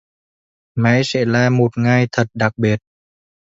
Mai sẽ là một ngày thật đặc biệt